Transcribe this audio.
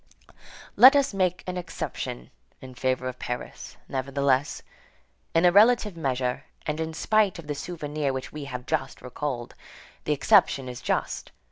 Let us make an exception in favor of Paris, nevertheless. In a relative measure, and in spite of the souvenir which we have just recalled, the exception is just.